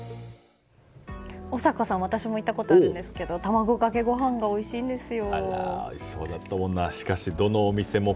おさかさん私も行ったことがあるんですけどたまごかけご飯がおいしいんですよ。